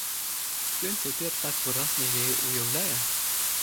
Ён цяпер так выразна яе ўяўляе.